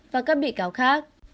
và các bị cáo khác